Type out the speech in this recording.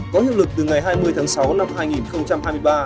có hiệu lực từ ngày hai mươi tháng sáu năm hai nghìn hai mươi ba